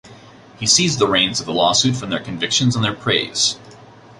He seized the reins of the lawsuit from their convictions and their praise.